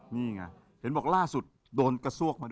นี่ไงเห็นบอกล่าสุดโดนกระซวกมาด้วย